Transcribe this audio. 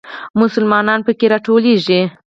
مسلمانان په کې راټولېږي.